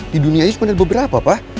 di dunia ini sebenarnya ada beberapa pak